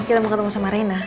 kita mau ketemu sama rena